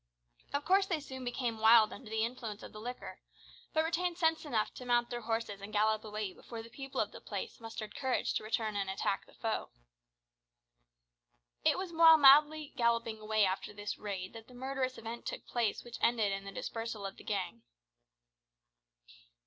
Of course they soon became wild under the influence of the liquor, but retained sense enough to mount their horses and gallop away before the people of the place mustered courage to return and attack the foe. It was while galloping madly away after this raid that the murderous event took place which ended in the dispersal of the gang.